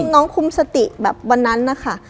น้องคุมสติแบบวันนั้นนะคะ